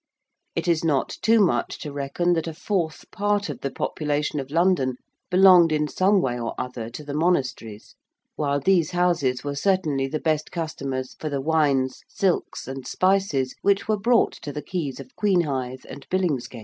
It is not too much to reckon that a fourth part of the population of London belonged in some way or other to the monasteries, while these Houses were certainly the best customers for the wines, silks and spices which were brought to the quays of Queenhithe and Billingsgate.